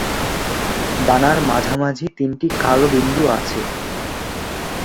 ডানার মাঝামাঝি তিনটি কালো বিন্দু আছে।